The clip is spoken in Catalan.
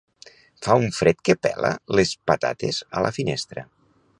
Fa un fred que pela les patates a la finestra